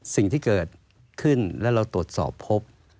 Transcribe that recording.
สิ่งที่เกิดขึ้นและเราตรวจสอบพบ